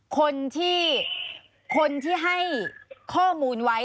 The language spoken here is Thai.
คนที่ให้ข้อมูลไว้